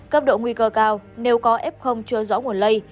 cấp độ nguy cơ cao nếu có ép không chơi gió nguồn lây